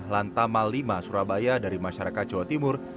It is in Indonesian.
lantama v surabaya dari masyarakat jawa timur